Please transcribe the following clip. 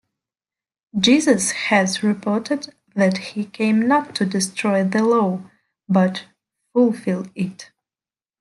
Jesus has reported that he came not to destroy the law, but fulfil it.